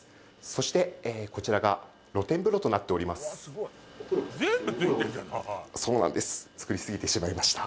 そしてこちらが露天風呂となっておりますそうなんです